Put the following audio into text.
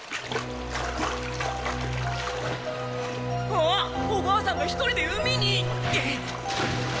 あっおばあさんが一人で海に！